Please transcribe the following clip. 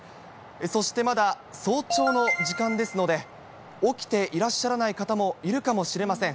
そして、まだ早朝の時間ですので、起きていらっしゃらない方もいるかもしれません。